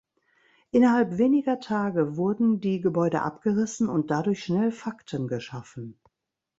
Innerhalb weniger Tage wurden die Gebäude abgerissen und dadurch schnell Fakten geschaffen.